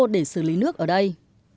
để xử lý nước ở đây